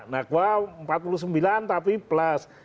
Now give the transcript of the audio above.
nah gua empat puluh sembilan tapi plus